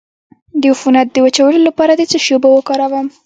د عفونت د وچولو لپاره د څه شي اوبه وکاروم؟